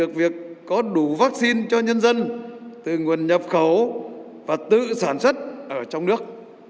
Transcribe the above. việc có đủ vaccine cho nhân dân từ nguồn nhập khẩu và tự sản xuất ở trong nước